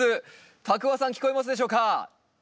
多久和さん聞こえますでしょうか？